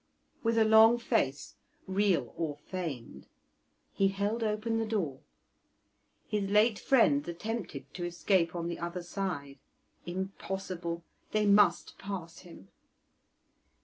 With a long face, real or feigned, he held open the door; his late friends attempted to escape on the other side; impossible! they must pass him.